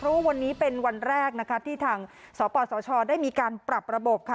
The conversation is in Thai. เพราะว่าวันนี้เป็นวันแรกนะคะที่ทางสปสชได้มีการปรับระบบค่ะ